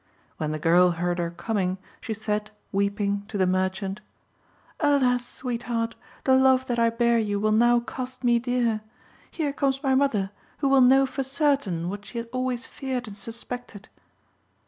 When the girl heard her coming, she said, weeping, to the merchant "Alas! sweetheart, the love that I bear you will now cost me dear. Here comes my mother, who will know for certain what she has always feared and suspected."